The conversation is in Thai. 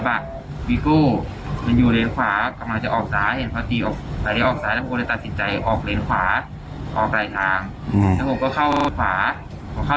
เบียงจากเรนซ้ายครับเข้ามา